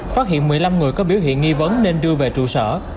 phát hiện một mươi năm người có biểu hiện nghi vấn nên đưa về trụ sở